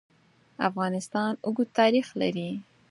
افغانستان اوږد تاریخ لري.